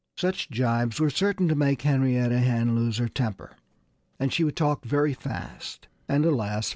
Such jibes were certain to make Henrietta Hen lose her temper. And she would talk very fast (and, alas!